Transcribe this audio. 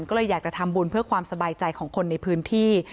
ก็เลยอยากจะทำบุญเพื่อความสบายใจของคนในพื้นที่